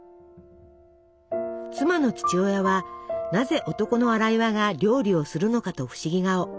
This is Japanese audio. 妻の父親はなぜ男の荒岩が料理をするのかと不思議顔。